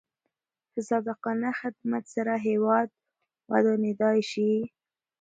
په صادقانه خدمت سره هیواد ودانېدای شي.